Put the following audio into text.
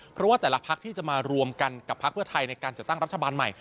เพราะว่าแต่ละพักที่จะมารวมกันกับพักเพื่อไทยในการจัดตั้งรัฐบาลใหม่